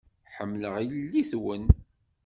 Ḥemmleɣ yelli-twen.